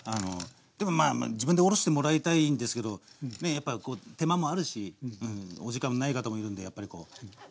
でもまあ自分でおろしてもらいたいんですけどねやっぱ手間もあるしお時間もない方もいるんでやっぱりこう。